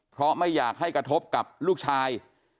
เพราะไม่อยากให้กระทบกับลูกชาย